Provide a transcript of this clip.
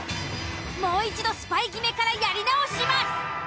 もう一度スパイ決めからやり直します。